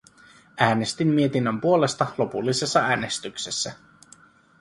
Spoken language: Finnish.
Äänestin mietinnön puolesta lopullisessa äänestyksessä.